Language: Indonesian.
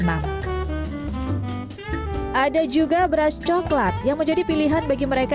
ada juga beras coklat yang menjadi pilihan bagi mereka